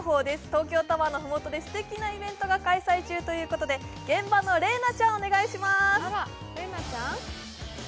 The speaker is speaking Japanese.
東京タワーの麓ですてきなイベントが開催中ということで、現場の麗菜ちゃん、お願いします。